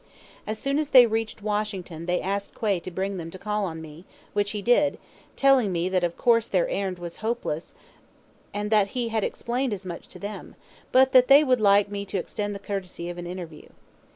As soon as they reached Washington they asked Quay to bring them to call on me, which he did, telling me that of course their errand was hopeless and that he had explained as much to them, but that they would like me to extend the courtesy of an interview.